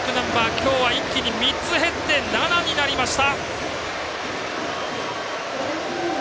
今日は、一気に３つ減って７になりました。